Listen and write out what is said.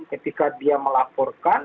ketika dia melaporkan